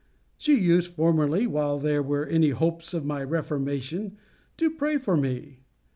She used formerly, while there were any hopes of my reformation, to pray for me.